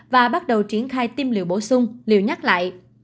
và bắt đầu triển khai tiêm liệu bổ sung liều nhắc lại